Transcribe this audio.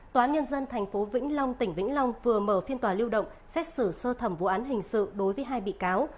tòa án nhân dân tp vĩnh long tỉnh vĩnh long vừa mở phiên tòa lưu động xét xử sơ thẩm vụ án hình sự đối với hai bị cáo